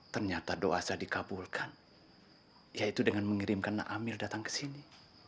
ternyata doa saya dikabulkan yaitu dengan mengirimkan nak amil datang ke sini